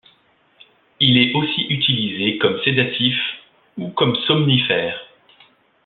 Il est aussi utilisé comme sédatif ou comme somnifère.